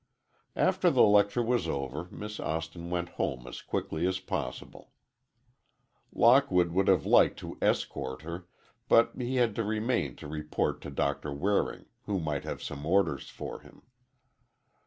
After the lecture was over, Miss Austin went home as quickly as possible. Lockwood would have liked to escort her, but he had to remain to report to Doctor Waring, who might have some orders for him.